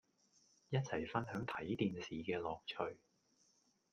一齊分享睇電視嘅樂趣